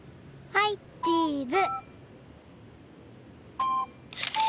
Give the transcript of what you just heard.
はいチーズ！